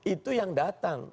itu yang datang